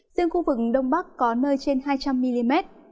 riêng khu vực đông bắc có nơi trên hai trăm linh mm